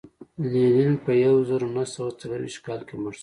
لینین په زر نه سوه څلرویشت کال کې مړ شو